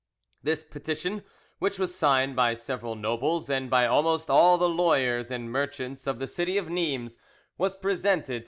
This petition, which was signed by several nobles and by almost all the lawyers and merchants of the city of Nimes, was presented to M.